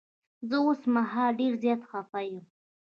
زه اوس مهال ډير زيات خفه یم.